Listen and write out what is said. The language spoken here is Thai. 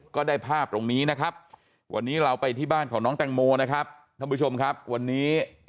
ก็ได้ภาพตรงนี้นะครับวันนี้เราไปที่บ้านของน้องแตงโมนะครับท่านผู้ชมครับวันนี้